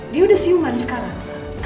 dia udah siuman sekarang